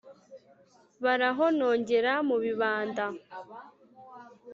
Barahonongera mu bibanda,